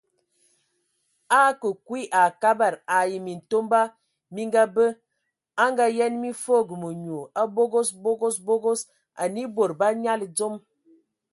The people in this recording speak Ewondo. A a akǝ kwi a Kabad ai Mintomba mi ngabǝ, a Ngaayen mi foogo menyu, a bogos, bogos, bogos, anǝ e bod bə anyali dzom.